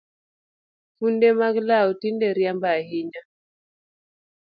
Funde mag law tinde riambo ahinya